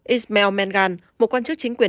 ismail mengan một quan chức chính quyền